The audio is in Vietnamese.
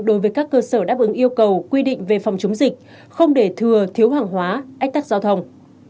đối với các cơ sở đáp ứng yêu cầu quy định về phòng chống dịch không để thừa thiếu hàng hóa ách tắc giao thông